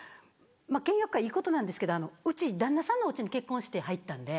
倹約家はいいことなんですけどうち旦那さんのお家に結婚して入ったんで。